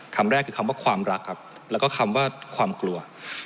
คำแรกคือคำว่าความรักครับแล้วก็คำว่าความกลัว